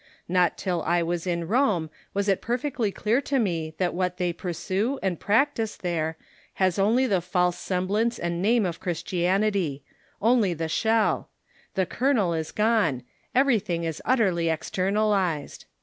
Not till I was in Rome was it perfectly clear to me that what they pursue and practise there has only the false sem blance and name of Christianity — only the shell ; the kernel is gone ; everything is utterly externalized."